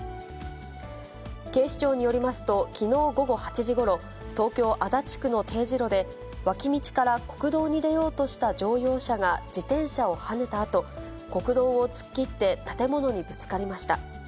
警視庁によりますと、きのう午後８時ごろ、東京・足立区の丁字路で、脇道から国道に出ようとした乗用車が自転車をはねたあと、国道を突っ切って建物にぶつかりました。